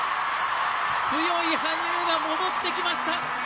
強い羽生が戻ってきました。